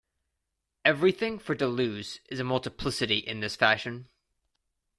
Everything for Deleuze is a multiplicity in this fashion.